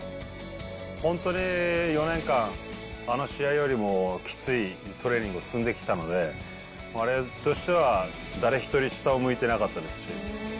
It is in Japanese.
本当に４年間、あの試合よりもきついトレーニングを積んできたので、われわれとしては誰一人下を向いてなかったですし。